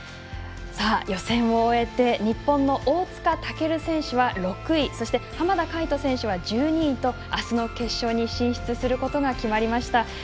予選を終えて日本の大塚健選手は６位そして浜田海人選手は１２位とあすの決勝に進出することが決まりました。